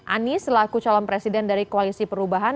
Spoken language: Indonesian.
anies selaku calon presiden dari koalisi perubahan